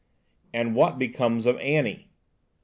"And what becomes of Annie?"